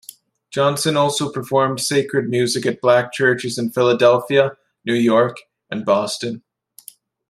Johnson also performed sacred music at black churches in Philadelphia, New York, and Boston.